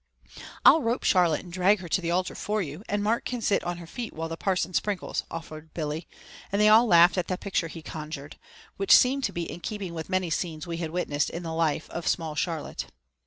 "I'll rope Charlotte and drag her to the altar for you, and Mark can sit on her feet while the parson sprinkles," offered Billy, and they all laughed at the picture that he conjured, which seemed to be in keeping with many scenes we had witnessed in the life of small Charlotte.